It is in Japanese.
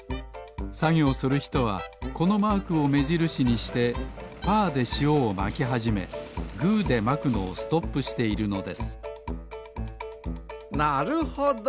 さぎょうするひとはこのマークをめじるしにしてパーでしおをまきはじめグーでまくのをストップしているのですなるほど！